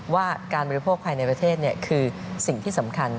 ว่าการบริโภคภายในประเทศคือสิ่งที่สำคัญ